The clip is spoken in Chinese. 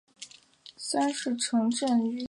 三是城镇商圈已经成为发展亮点和核心增长极。